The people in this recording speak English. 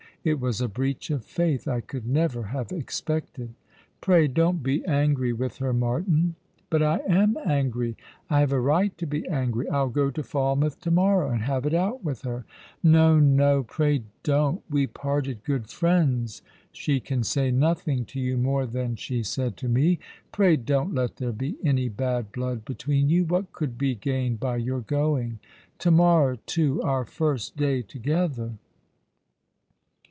It was a breach of faith I could never have expected." "Pray don't be angry with her, Martin." " But I am angry. I have a right to be angry. I'll go to Falmouth to morrow, and have it out with her." " No, no, pray don't ! We parted good friends. She can say nothing to you more than she said to me. Pray don't let there be any bad blood between you. What could be gained by your going? To morrow, too — our first day together!"